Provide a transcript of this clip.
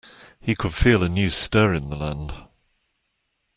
He could feel a new stir in the land.